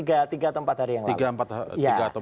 tiga atau empat hari yang lalu